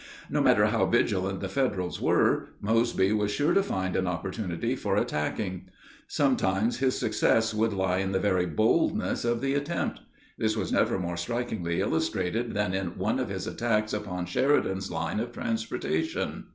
No matter how vigilant the Federals were, Mosby was sure to find an opportunity for attacking. Sometimes his success would lie in the very boldness of the attempt. This was never more strikingly illustrated than in one of his attacks upon Sheridan's line of transportation.